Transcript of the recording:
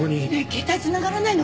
携帯繋がらないの。